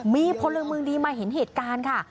มีพลเมืองดีมาเห็นเหตุการณ์ค่ะ